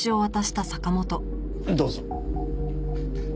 どうぞ。